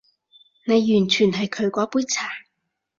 你完全係佢嗰杯茶